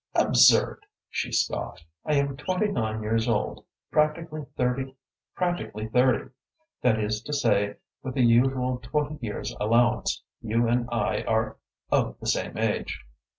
"Absurd!" she scoffed. "I am twenty nine years old practically thirty. That is to say, with the usual twenty years' allowance, you and I are of the same age."